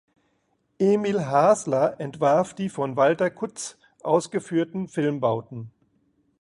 Emil Hasler entwarf die von Walter Kutz ausgeführten Filmbauten.